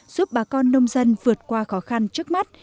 giúp bà con nông dân vượt qua khó khăn trước mắt